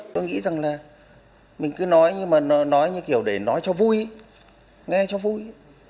tôi nghĩ rằng là mình cứ nói như kiểu để nói cho vui nghe cho vui